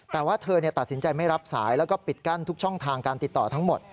แต่ว่าเธอตัดสินใจไม่รับสายแล้วก็ปิดกั้นทุกช่องทางการติดต่อทั้งหมด